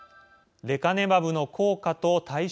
レカネマブの効果と対象範囲。